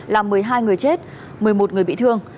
làm một mươi hai người chết một mươi một người bị thương